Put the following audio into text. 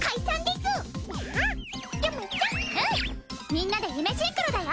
みんなでユメシンクロだよ。